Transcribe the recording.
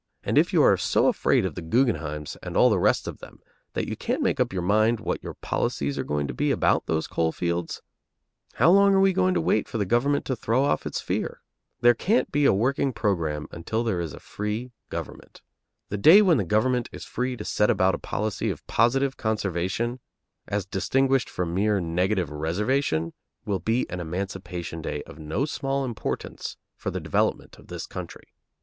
And if you are so afraid of the Guggenheims and all the rest of them that you can't make up your mind what your policies are going to be about those coal fields, how long are we going to wait for the government to throw off its fear? There can't be a working program until there is a free government. The day when the government is free to set about a policy of positive conservation, as distinguished from mere negative reservation, will be an emancipation day of no small importance for the development of the country.